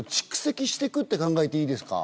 していくって考えていいですか？